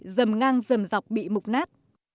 dầm ngang dầm dọc bị mục nát